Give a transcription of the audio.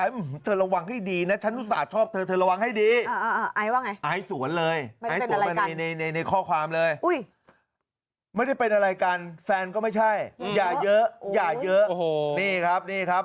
ไม่ได้เป็นอะไรกันอุ๊ยไม่ได้เป็นอะไรกันแฟนก็ไม่ใช่อย่าเยอะอย่าเยอะนี่ครับนี่ครับ